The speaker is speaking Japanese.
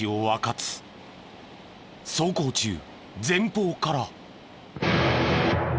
走行中前方から。